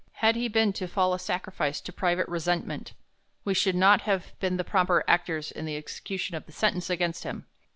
Had he been to fall a sacrifice to private resentment, we should not have been the proper actors in the exe cution of the sentence against him.